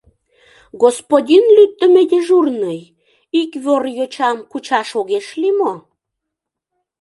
— Господин лӱддымӧ дежурный, ик вор йочам кучаш огеш лий мо?